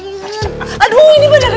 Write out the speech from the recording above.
ayuk aldhih cepet angkat